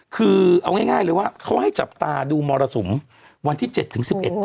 คือเอาง่ายเลยว่าเขาให้จับตาดูมรสุมวันที่๗ถึง๑๑ก่อน